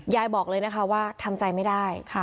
บอกเลยนะคะว่าทำใจไม่ได้